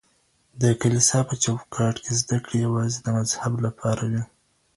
د کليسا په چوکاټ کي زده کړې يوازې د مذهب لپاره وې.